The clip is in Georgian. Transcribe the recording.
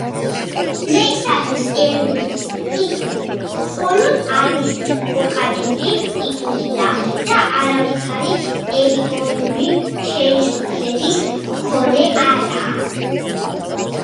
დღეისათვის ერლის ტიტული მხოლოდ არისტოკრატული ტიტულია და არავითარი ტერიტორიული ხელისუფლების მქონე არაა.